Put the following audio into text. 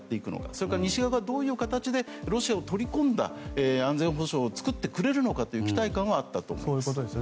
それから西側がどういう形でロシアを取り込んだ安全保障を作ってくれるのかという期待感はあったと思います。